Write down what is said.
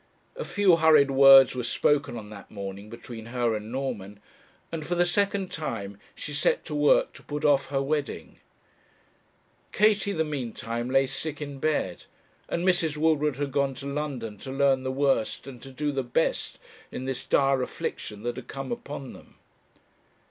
A few hurried words were spoken on that morning between her and Norman, and for the second time she set to work to put off her wedding. Katie, the meantime, lay sick in bed, and Mrs. Woodward had gone to London to learn the worst and to do the best in this dire affliction that had come upon them.